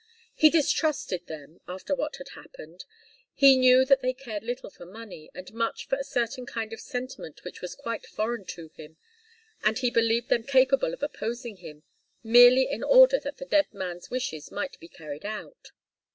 He distrusted them, after what had happened. He knew that they cared little for money, and much for a certain kind of sentiment which was quite foreign to him, and he believed them capable of opposing him, merely in order that the dead man's wishes might be carried out.